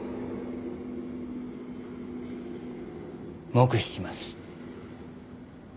黙秘します。